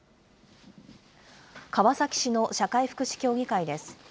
川崎市の社会福祉協議会です。